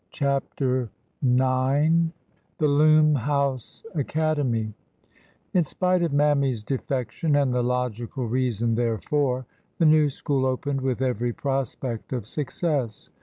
CHAPTER IX THE LOOM HOUSE ACADEMY I N Spite of Mammy's defection and the logical reason therefor, the new school opened with every prospect of success.